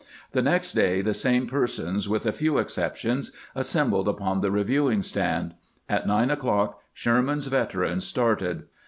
The next day the same persons, with a few exceptions, assembled upon the reviewing stand. At nine o'clock Sherman's veterans started.